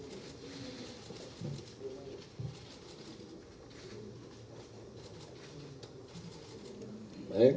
terima kasih pak